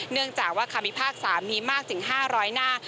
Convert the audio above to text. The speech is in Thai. เนื่องจากว่าคำพิพากษามีมากถึง๕๐๐หน้า